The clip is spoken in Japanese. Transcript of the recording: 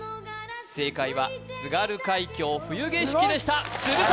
正解は「津軽海峡・冬景色」でした鶴崎